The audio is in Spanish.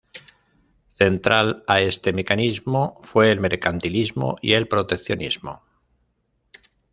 Central a este mecanismo fue el mercantilismo y el proteccionismo.